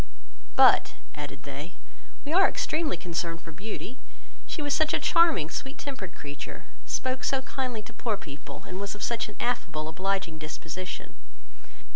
But, (added they,) we are extremely concerned for Beauty, she was such a charming, sweet tempered creature, spoke so kindly to poor people, and was of such an affable, obliging disposition."